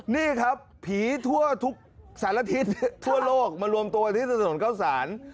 นี่ครับผีทั่วทุกสารทิศทั่วโลกมารวมตัวกันที่ถนนเข้าสาร